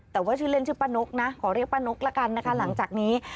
แต่ว่าชื่อเล่นชื่อป้านกนะขอเรียกป้านกละกันนะคะหลังจากนี้